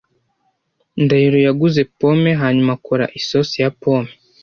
Ndahiro yaguze pome hanyuma akora isosi ya pome.